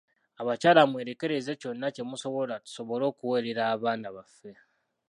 Abakyala mwerekereze kyonna kye musobola tusobole okuweerera abaana baffe.